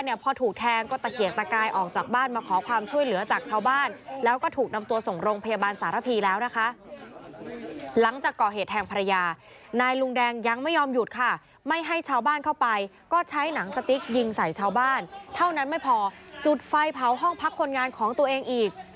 หลังจากก่อเหตุแทงภรรยานายลุงแดงยังไม่ยอมหยุดค่ะไม่ให้ชาวบ้านเข้าไปก็ใช้หนังสติ๊กยิงใส่ชาวบ้านเท่านั้นไม่พอจุดไฟเผาห้องพักคนงานของตัวเองอีก